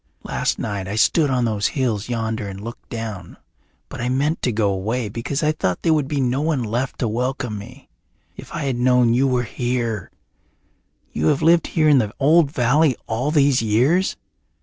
Last night I stood on those hills yonder and looked down, but I meant to go away because I thought there would be no one left to welcome me. If I had known you were here! You have lived here in the old valley all these years?"